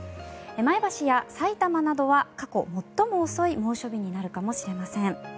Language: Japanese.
前橋やさいたまなどは過去最も遅い猛暑日になるかもしれません。